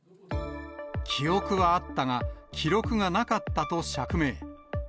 記憶はあったが、記録がなかったと釈明。